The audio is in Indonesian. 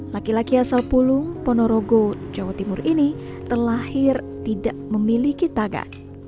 laki laki asal pulung ponorogo jawa timur ini terlahir tidak memiliki tangan